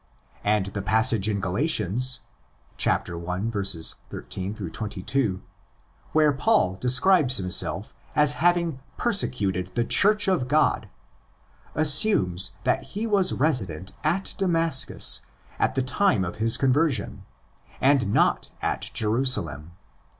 And the passage in Galatians (i. 18 22) where Paul describes himself as having '' persecuted the Church of God" assumes that he was resident at Damascus at the time of his conversion, and not at Jerusalem.